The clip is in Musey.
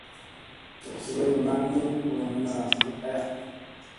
Sli iirim naa ni kulumina tut aya.